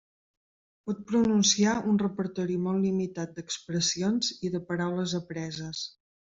Pot pronunciar un repertori molt limitat d'expressions i de paraules apreses.